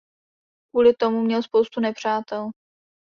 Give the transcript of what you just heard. Kvůli tomu měl spoustu nepřátel.